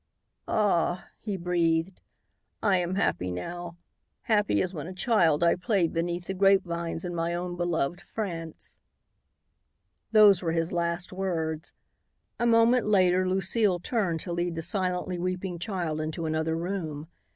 "Ah!" he breathed, "I am happy now, happy as when a child I played beneath the grapevines in my own beloved France." Those were his last words. A moment later, Lucile turned to lead the silently weeping child into another room.